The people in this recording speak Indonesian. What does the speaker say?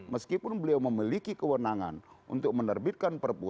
meskipun beliau memiliki kewenangan untuk menerbitkan perpu